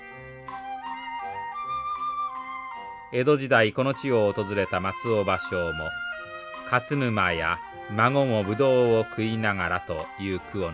江戸時代この地を訪れた松尾芭蕉も「勝沼や馬子もぶどうを食ひながら」という句を残しています。